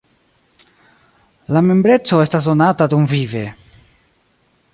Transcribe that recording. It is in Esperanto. La membreco estas donata dumvive.